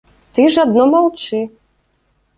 Ты ж адно маўчы.